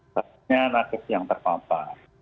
paksinya narkosi yang terpampas